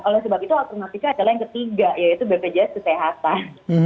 oleh sebab itu alternatifnya adalah yang ketiga yaitu bpjs kesehatan